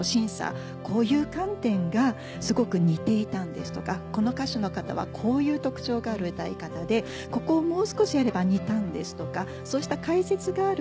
「こういう観点がすごく似ていたんです」とか「この歌手の方はこういう特徴がある歌い方でここをもう少しやれば似たんです」とかそうした解説があると「あっなるほどな」という